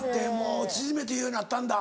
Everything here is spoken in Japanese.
縮めて言うようになったんだ。